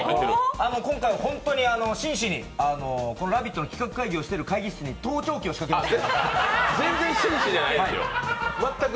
今回本当にしんしに「ラヴィット！」の企画会議をしている会議室に盗聴器を仕掛けました。